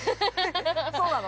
◆そうなの？